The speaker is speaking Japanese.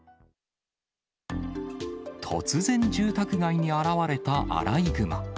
突然、住宅街に現れたアライグマ。